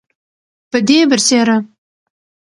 پدې برسیره